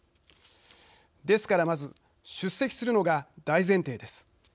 ですからまず出席するのが大前提です。